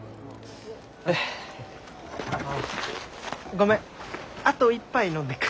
ごめんあと一杯飲んでく。